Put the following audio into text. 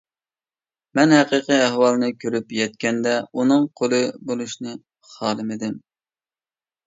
مەن ھەقىقىي ئەھۋالنى كۆرۈپ يەتكەندە، ئۇنىڭ قۇلى بولۇشنى خالىمىدىم.